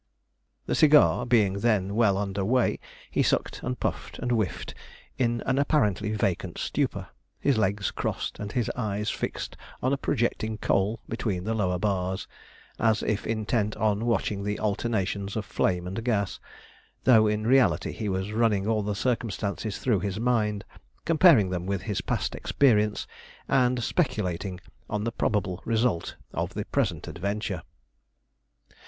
The cigar being then well under way, he sucked and puffed and whiffed in an apparently vacant stupor, his legs crossed, and his eyes fixed on a projecting coal between the lower bars, as if intent on watching the alternations of flame and gas; though in reality he was running all the circumstances through his mind, comparing them with his past experience, and speculating on the probable result of the present adventure.